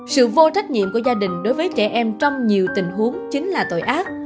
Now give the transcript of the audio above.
sự vô trách nhiệm của gia đình đối với trẻ em trong nhiều tình huống chính là tội ác